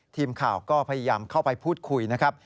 ทีมข่าวก็พยายามเข้าไปพูดคุยนะครับ